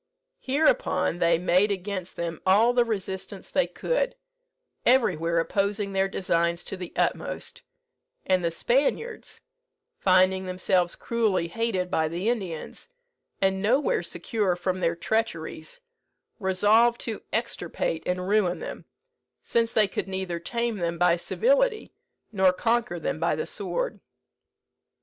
Hereupon they made against them all the resistance they could, everywhere opposing their designs to the utmost; and the Spaniards, finding themselves cruelly hated by the Indians, and nowhere secure from their treacheries, resolved to extirpate and ruin them, since they could neither tame them by civility nor conquer them by the sword.